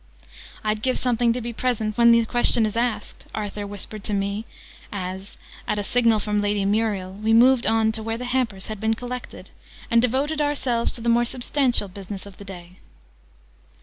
"I'd give something to be present when the question is asked!" Arthur whispered to me, as, at a signal from Lady Muriel, we moved on to where the hampers had been collected, and devoted ourselves to the more substantial business of the day.